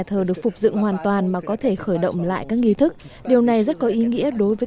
thờ được phục dựng hoàn toàn mà có thể khởi động lại các nghi thức điều này rất có ý nghĩa đối với